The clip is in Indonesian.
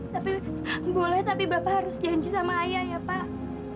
tapi boleh tapi bapak harus janji sama ayah ya pak